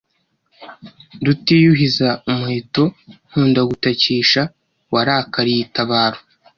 rutiyuhiza umuheto nkunda gutakisha, warakaliye itabaro